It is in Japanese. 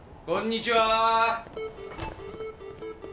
・こんにちはー！